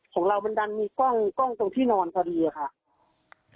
ของเรามันดันมีกล้องกล้องตรงที่นอนพอดีเอ่อค่ะอ่ะอืม